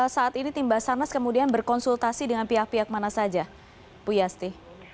saat ini tim basarnas kemudian berkonsultasi dengan pihak pihak mana saja bu yasti